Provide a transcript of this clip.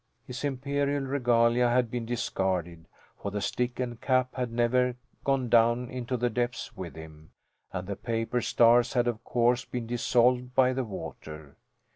His imperial regalia had been discarded, for the stick and cap had never gone down into the depths with him, and the paper stars had of course been dissolved by the water.